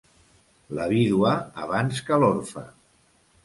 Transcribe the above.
La vídua abans que l'orfe.